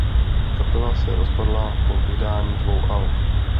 Kapela se rozpadla po vydání dvou alb.